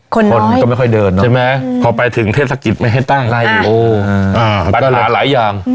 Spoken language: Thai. คนน้อยใช่ไหมพอไปถึงเทศกิจไม่ให้ตั้งปัญหาหลายอย่าง